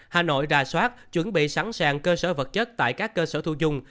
hà nội ra soát chuẩn bị sẵn sàng cơ sở vật chất tại các cơ sở thu dung